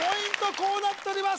こうなっております